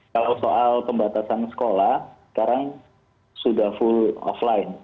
kalau soal pembatasan sekolah sekarang sudah full offline